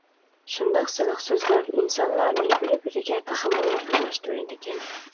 شۇنداق سىلىق سۆزلەر ئىنسانلارنى بىر-بىرىگە تېخىمۇ يېقىنلاشتۇرىدىكەن.